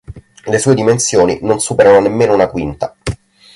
Le sue dimensioni non superano nemmeno una quinta.